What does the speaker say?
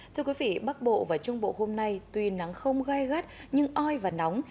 thưa quý vị bắc bộ và trung bộ hôm nay tuy nắng không gai gắt nhưng oi và nóng